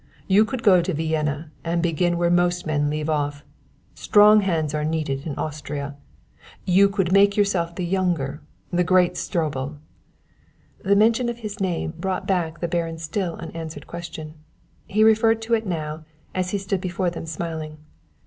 You could go to Vienna and begin where most men leave off! Strong hands are needed in Austria, you could make yourself the younger the great Stroebel " The mention of his name brought back the Baron's still unanswered question. He referred to it now, as he stood before them smiling.